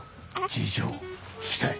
事情聞きたい？